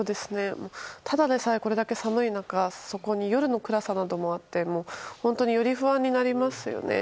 ただでさえ寒い中夜の暗さなどもあって本当により不安になりますよね。